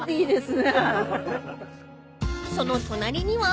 ［その隣には］